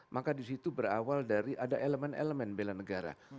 maka disitu berawal dari ada elemen elemen bela negara